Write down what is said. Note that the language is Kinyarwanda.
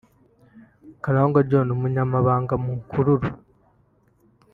Karangwa John; Umunyamabanga Mukururu